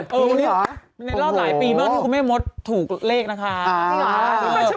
วันนี้ในรอบหลายปีมากที่คุณแม่มดถูกเลขนะคะ